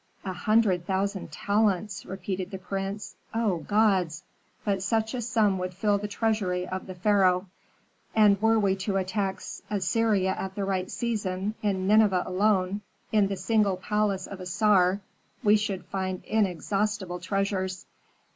"A hundred thousand talents," repeated the prince. "O gods! but such a sum would fill the treasury of the pharaoh. And were we to attack Assyria at the right season, in Nineveh alone, in the single palace of Assar, we should find inexhaustible treasures.